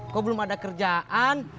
kok belum ada kerjaan